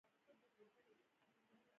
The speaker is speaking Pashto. هغه یوه ښایسته سندره ویلې ده